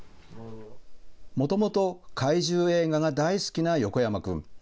もともと、怪獣映画が大好きな横山君。